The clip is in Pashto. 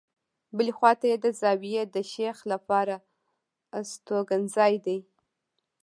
بلې خواته یې د زاویې د شیخ لپاره استوګنځای دی.